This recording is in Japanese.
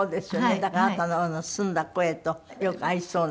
だからあなたの澄んだ声とよく合いそうな。